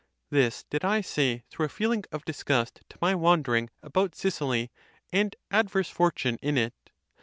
This did I say through a feeling of disgust to my wandering about Sicily, and adverse fortune in it.